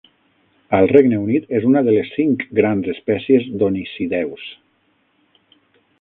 Al Regne Unit, és una de les cinc grans espècies d'oniscideus.